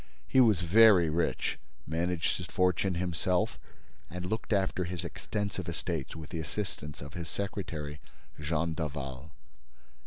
He was very rich, managed his fortune himself and looked after his extensive estates with the assistance of his secretary, Jean Daval.